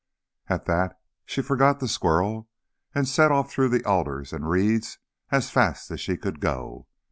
At that she forgot the squirrel and set off through the alders and reeds as fast as she could go.